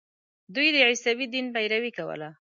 دوی د عیسوي دین پیروي کوله.